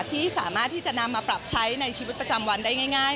ที่สามารถที่จะนำมาปรับใช้ในชีวิตประจำวันได้ง่าย